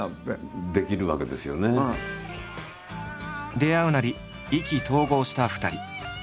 出会うなり意気投合した２人。